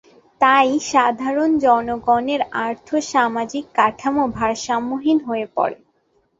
তাই সাধারণ জনগণের আর্থ-সামাজিক কাঠামো ভারসাম্যহীন হয়ে পড়ে।